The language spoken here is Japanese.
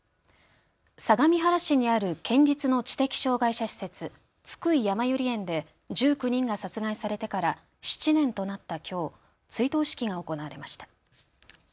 相模原市にある県立の知的障害者施設津久井やまゆり園で１９人が殺害されてから７年となったきょう追悼式が行われました。